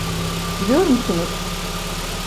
Biliyor musunuz?